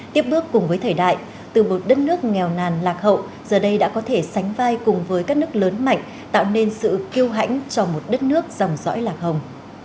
tiếp bước cùng với thời đại từ một đất nước nghèo nàn lạc hậu giờ đây đã có thể sánh vai cùng với các nước lớn mạnh tạo nên sự kêu hãnh cho một đất nước dòng lõi lạc hồng